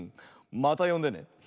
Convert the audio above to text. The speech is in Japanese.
またよんでね。